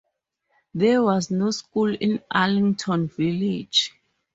There was no school in Allington village.